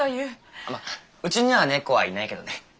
まあうちには猫はいないけどね。